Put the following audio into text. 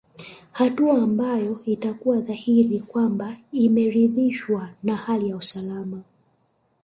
Hatua ambayo itakuwa dhahiri kwamba ameridhishwa na hali ya usalama